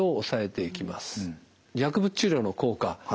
薬物治療の効果